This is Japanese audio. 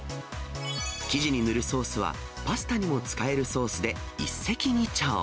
生地に塗るソースはパスタにも使えるソースで、一石二鳥。